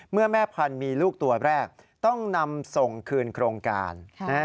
แม่พันธุ์มีลูกตัวแรกต้องนำส่งคืนโครงการ